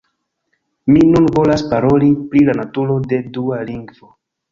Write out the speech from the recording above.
Mi nun volas paroli pri la naturo de dua lingvo.